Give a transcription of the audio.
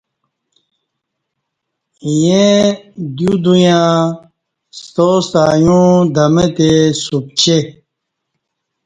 ییں دیو دُویاں ستا ستہ ایوعں دمہتی سُپچے